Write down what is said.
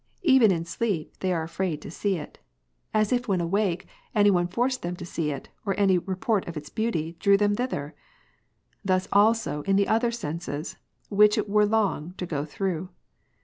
Even in sleep they are afraid to see it. 8X4 Knowledge never to be an end. CONF. As if when awake, any one forced them to see it, or any report of its beauty drew them thither ! Thus also in the other senses, which it were long to go through.